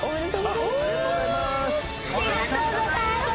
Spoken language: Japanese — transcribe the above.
おめでとうございます。